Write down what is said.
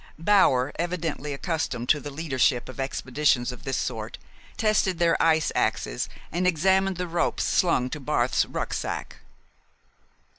Bower, evidently accustomed to the leadership of expeditions of this sort, tested their ice axes and examined the ropes slung to Barth's rucksack.